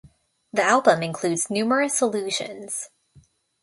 The album includes numerous allusions.